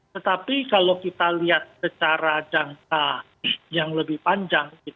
tetapi kalau kita lihat secara jangka yang lebih panjang